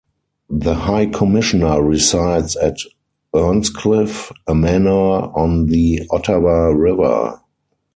The High Commissioner resides at Earnscliffe, a manor on the Ottawa River.